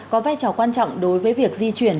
có vai trò quan trọng đối với việc di chuyển